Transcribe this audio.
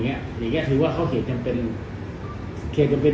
อย่างนี้ถือว่าเขาเหตุจำเป็น